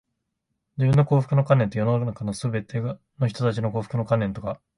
自分の幸福の観念と、世のすべての人たちの幸福の観念とが、